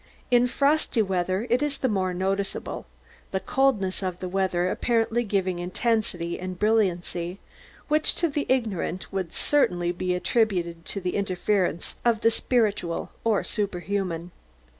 In frosty weather it is the more noticeable, the coldness of the weather apparently giving intensity and brilliancy, which to the ignorant would certainly be attributed to the interference of the spiritual or superhuman.